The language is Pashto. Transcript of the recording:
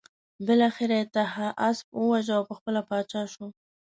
بالاخره یې طاهاسپ وواژه او پخپله پاچا شو.